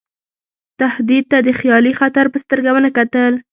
تهدید ته د خیالي خطر په سترګه ونه کتل.